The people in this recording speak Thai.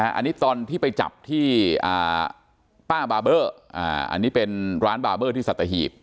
อันนี้ตอนที่ไปจับที่ป้าบาเบอร์อันนี้เป็นร้านบาร์เบอร์ที่สัตหีบ